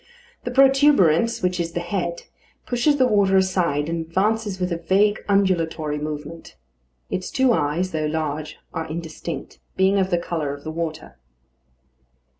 The protuberance, which is the head, pushes the water aside and advances with a vague undulatory movement. Its two eyes, though large, are indistinct, being of the colour of the water.